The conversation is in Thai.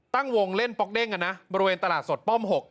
ตั้งวงเล่นป๊อกเด้งกันนะบริเวณตลาดสดป้อม๖